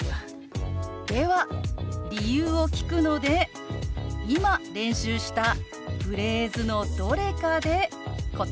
では理由を聞くので今練習したフレーズのどれかで答えてください。